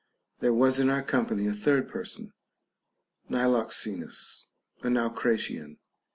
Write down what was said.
There was in our company a third person, Niloxenus a Naucratian.